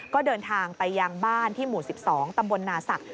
ก็เดินทางไปยังบ้านที่หมู่๑๒ตำบลนาศักดิ